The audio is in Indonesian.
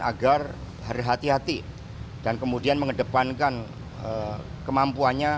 agar hati hati dan kemudian mengedepankan kemampuannya